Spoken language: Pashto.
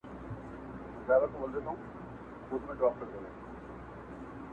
توره شپه ده مرمۍ اوري نه پوهیږو څوک مو ولي!.